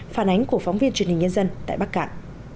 phản ánh của phóng viên truyền hình nhân dân tại bắc cạn